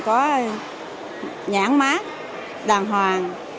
có nhãn mát đàng hoàng